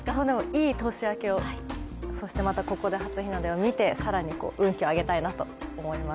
いい年明けを、そしてここでまた初日の出を見て更に運気を上げたいなと思います。